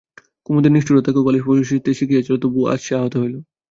কুমুদের নিষ্ঠুরতাকেও ভালোবাসিতে শিখিয়াছিল, তবু আজ সে আহত হইল।